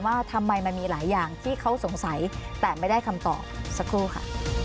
ว่าทำไมมันมีหลายอย่างที่เขาสงสัยแต่ไม่ได้คำตอบสักครู่ค่ะ